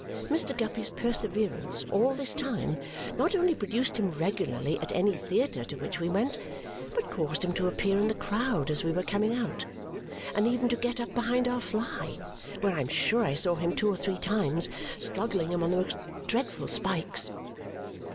Mr. Guppy's perseverance, all this time, not only produced him regularly at any theatre to which we went, but caused him to appear in the crowd as we were coming out, and even to get up behind our fly where I am sure I saw him, two or three times, struggling among the most dreadful spikes.